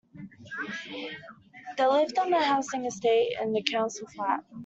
The lived on a housing estate, in a council flat